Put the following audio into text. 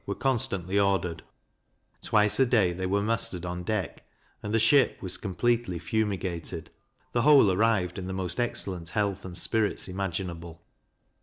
were constantly ordered; twice a day they were mustered on deck, and the ship was completely fumigated: The whole arrived in the most excellent health and spirits imaginable.